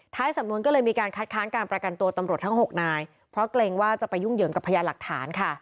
สำนวนก็เลยมีการคัดค้านการประกันตัวตำรวจทั้ง๖นายเพราะเกรงว่าจะไปยุ่งเหยิงกับพยานหลักฐานค่ะ